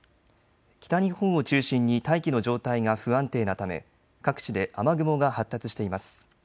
北日本を中心に大気の状態が不安定なため各地で雨雲が発達しています。